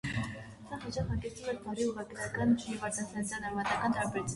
Սա հաճախ հանգեցնում էր բառի ուղղագրական և արտասանության արմատական տարբերությունների առաջացմանը։